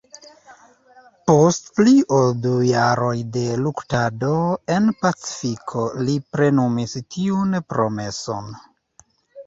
Post pli ol du jaroj de luktado en Pacifiko, li plenumis tiun promeson.